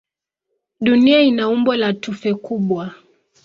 Dunia ina umbo la tufe kubwa.